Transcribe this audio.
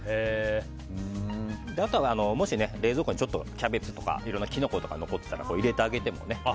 あとは、もし冷蔵庫にキャベツとかいろんなキノコとか残ってたら入れてあげてもね。